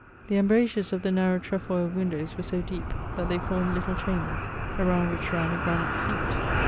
The embrasures of the narrow trefoil windows were so deep, that they formed little chambers, around which ran a granite seat.